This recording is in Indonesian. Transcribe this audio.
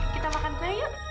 kita makan dulu yuk